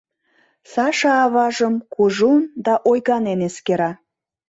Саша аважым кужун да ойганен эскера.